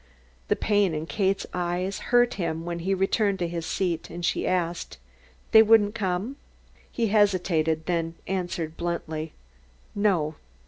The pain in Kate's eyes hurt him when he returned to his seat and she asked. "They wouldn't come?" He hesitated, then answered bluntly: "No."